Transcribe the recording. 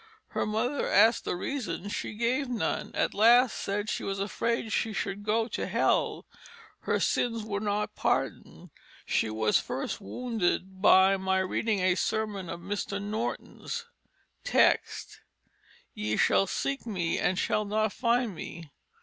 Her Mother ask'd the Reason, she gave none; at last said she was afraid she should go to Hell, her Sins were not pardon'd. She was first wounded by my reading a sermon of Mr. Norton's; Text, Ye shall seek me and shall not find me.